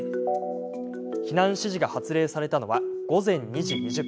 避難指示が発令されたのは午前２時２０分。